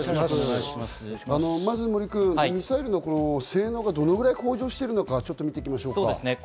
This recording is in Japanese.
まず森君、ミサイルの性能がどのくらい向上しているのか見ていきましょうか。